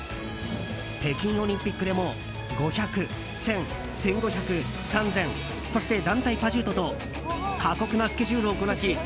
北京オリンピックでも５００、１０００、１５００３０００そして団体パシュートと過酷なスケジュールをこなし